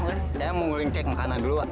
saya mau nguling cek makanan dulu pak